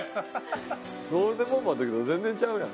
ゴールデンボンバーの時と全然ちゃうやん。